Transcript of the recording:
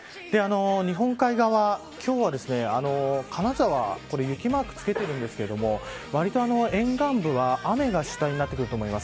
日本海側今日は、金沢雪マーク付けてるんですけどわりと沿岸部は、雨が主体になってくると思います。